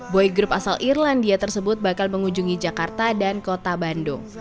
boy group asal irlandia tersebut bakal mengunjungi jakarta dan kota bandung